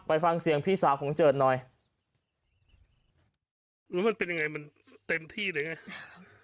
ไปฟังเสียงพี่สาวของเจิดหน่อยรู้มันเป็นยังไงมันเต็มที่หรือไง